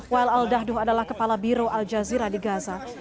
wael al dahdoh adalah kepala biro al jazeera di gaza